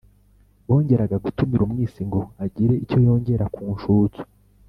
bongeraga gutumira umwisi ngo agire icyo yongera ku nshutso.